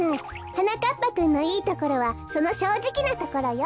はなかっぱくんのいいところはそのしょうじきなところよ。